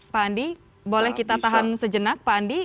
pak andi boleh kita tahan sejenak pak andi